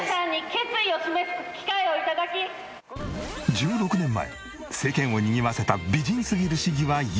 １６年前世間をにぎわせた美人すぎる市議は今。